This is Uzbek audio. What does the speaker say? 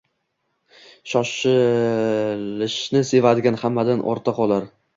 Shoshilishni sevadigan hammadan ortda qolar